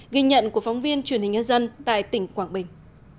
ghi nhận của phóng viên truyền hình nhân dân tại tỉnh quảng bình